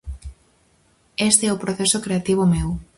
Ese é o proceso creativo meu.